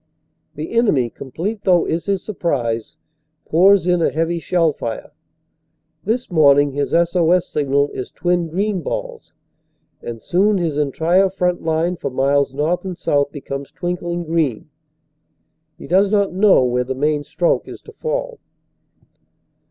The enemy, complete though is his surprise, pours in a heavy shell fire. This morning his S.O.S. signal is twin green balls, and soon his entire front line for miles north and south becomes twink ling green. He does not know where the main stroke is to fall.